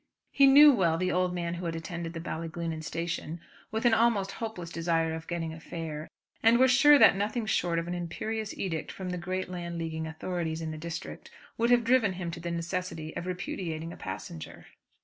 He knew well the old man who had attended the Ballyglunin station with almost a hopeless desire of getting a fare, and was sure that nothing short of an imperious edict from the great Landleaguing authorities in the district, would have driven him to the necessity of repudiating a passenger.